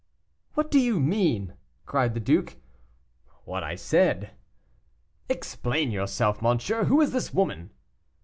"What do you mean?" cried the duke. "What I said." "Explain yourself, monsieur; who is this woman?"